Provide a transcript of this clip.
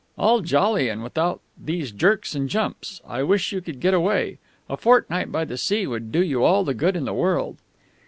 "All jolly, and without these jerks and jumps. I wish you could get away. A fortnight by the sea would do you all the good in the world."